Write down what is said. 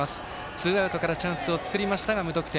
ツーアウトからチャンスを作りましたが無得点。